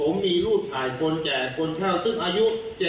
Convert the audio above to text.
ผมมีรูปถ่ายคนแก่คนเท่าซึ่งอายุ๗๐